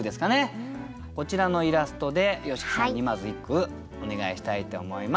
こちらのイラストで吉木さんにまず一句お願いしたいと思います。